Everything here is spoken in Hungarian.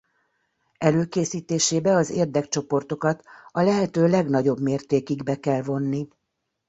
Előkészítésébe az érdekcsoportokat a lehető legnagyobb mértékig be kell vonni.